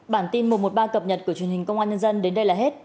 bản tin một trăm một mươi ba cập nhật của truyền hình công an nhân dân đến đây là hết